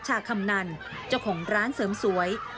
ชาคำนันเจ้าของร้านเสริมสวย